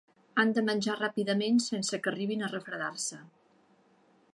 Han de menjar ràpidament, sense que arribin a refredar-se.